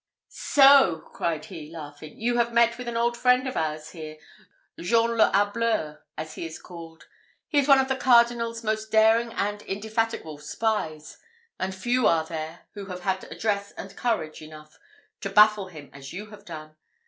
"So," cried he, laughing, "you have met with an old friend of ours here, Jean le Hableur, as he is called. He is one of the Cardinal's most daring and indefatigable spies; and few are there who have had address and courage enough to baffle him as you have done.